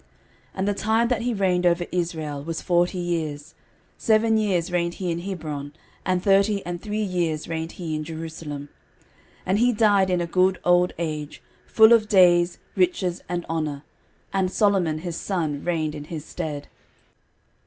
13:029:027 And the time that he reigned over Israel was forty years; seven years reigned he in Hebron, and thirty and three years reigned he in Jerusalem. 13:029:028 And he died in a good old age, full of days, riches, and honour: and Solomon his son reigned in his stead.